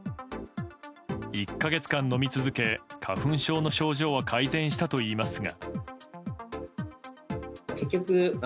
１か月間飲み続け花粉症の症状は改善したといいますが。